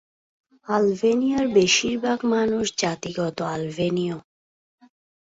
আলবেনিয়ার বেশিরভাগ মুসলমান জাতিগত আলবেনীয়।